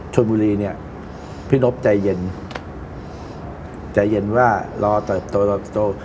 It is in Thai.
ชนบุรีเนี่ยพี่นพใจเย็นใจเย็นว่ารอตรกตัวตรง